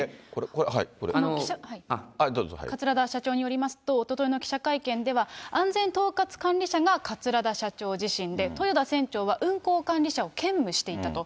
これ、桂田社長によりますと、おとといの記者会見では、安全統括管理者が桂田社長自身で、豊田船長は運航管理者を兼務していたと。